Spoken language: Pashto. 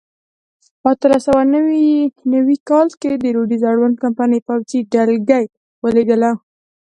په اتلس سوه نوي کال کې د روډز اړوند کمپنۍ پوځي ډلګۍ ولېږله.